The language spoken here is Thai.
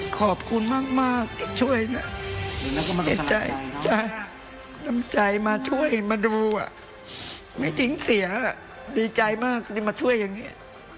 ขอบคุณมากที่ช่วยนะน้ำใจมาช่วยมาดูไม่ทิ้งเสียดีใจมากที่มาช่วยอย่างนี้